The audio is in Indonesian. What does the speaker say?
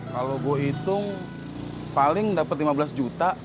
kalau gue hitung paling dapat lima belas juta